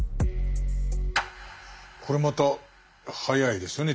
これまた早いですよね。